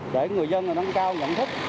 để người dân nâng cao nhận thức